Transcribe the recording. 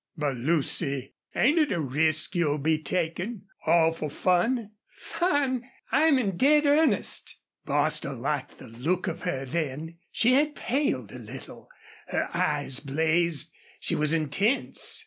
"But, Lucy, ain't it a risk you'll be takin' all for fun?" "Fun! ... I'm in dead earnest." Bostil liked the look of her then. She had paled a little; her eyes blazed; she was intense.